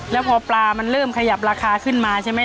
แล้วพอปลามันเริ่มขยับราคาขึ้นมาใช่ไหม